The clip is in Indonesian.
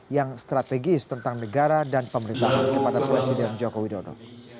yang strategis tentang negara dan pemerintahan kepada presiden joko widodo